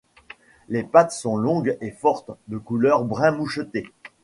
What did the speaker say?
Les pattes sont longues et fortes, de couleur brun moucheté.